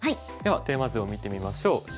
ではテーマ図を見てみましょう。